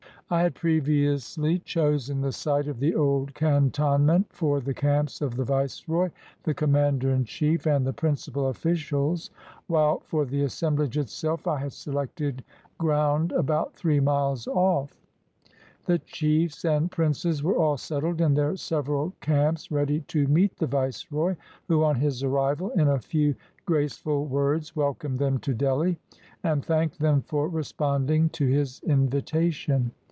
I had previously chosen the site of the old cantonment for the camps of the Viceroy, the 185 INDIA commander in chief, and the principal officials, while for the assemblage itself I had selected ground about three miles off. The chiefs and princes were all settled in their several camps ready to meet the Viceroy, who, on his arrival, in a few graceful words welcomed them to Delhi, and thanked them for responding to his invitation.